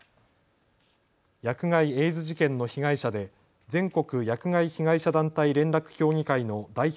薬害エイズ事件の被害者で全国薬害被害者団体連絡協議会の代表